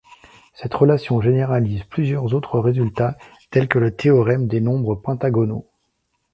Cette relation généralise plusieurs autres résultats, tels que le théorème des nombres pentagonaux.